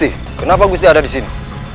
aku harus tahu siapa apa